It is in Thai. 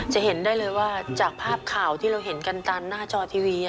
จะเห็นได้เลยว่าจากภาพข่าวที่เราเห็นกันตามหน้าจอทีวี